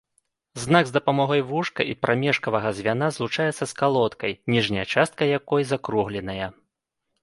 Знак з дапамогай вушка і прамежкавага звяна злучаецца з калодкай, ніжняя частка якой закругленая.